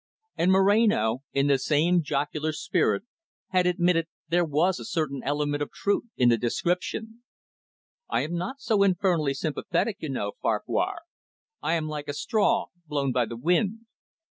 And Moreno, in the same jocular spirit, had admitted there was a certain element of truth in the description. "I am so infernally sympathetic, you know, Farquhar. I am like a straw blown by the wind.